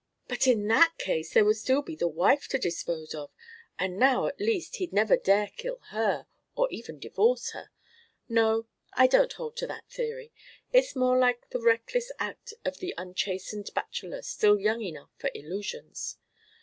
"But in that case there would still be the wife to dispose of, and now, at least, he'd never dare kill her, or even divorce her. No, I don't hold to that theory. It's more like the reckless act of the unchastened bachelor still young enough for illusions.